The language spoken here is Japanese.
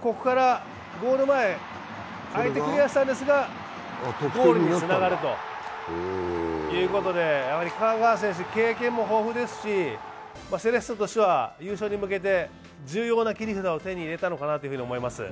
ここからゴール前相手クリアしたんですがゴールにつながるということでやはり香川選手、経験も豊富ですし、セレッソとしては優勝に向けて重要な切り札を手に入れたのかなと思います。